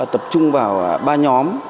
tập trung vào ba nhóm